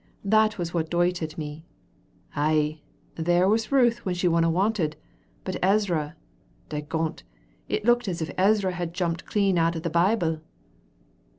That was what doited me. Ay, there was Ruth when she wasna wanted, but Ezra, dagont, it looked as if Ezra had jumped clean out o' the Bible."